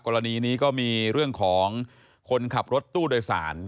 กรณีนี้ก็มีเรื่องของคนขับรถตู้โดยสาร